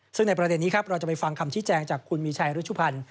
ซึ่งในประเด็นนี้ครับเราจะไปฟังคำชี้แจงจากคุณมีชัยรุชุพันธ์